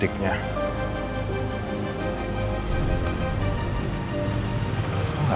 dia mau ke sana